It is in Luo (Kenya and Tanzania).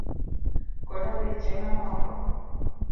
koda weche mamoko.